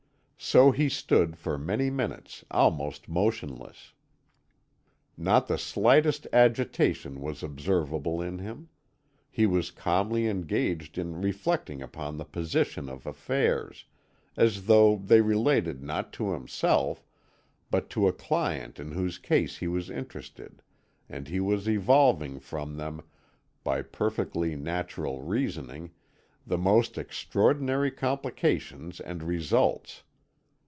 So he stood for many minutes almost motionless. Not the slightest agitation was observable in him; he was calmly engaged in reflecting upon the position of affairs, as though they related not to himself, but to a client in whose case he was interested, and he was evolving from them, by perfectly natural reasoning, the most extraordinary complications and results.